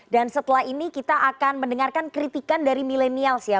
dan setelah ini kita akan mendengarkan kritikan dari millenials ya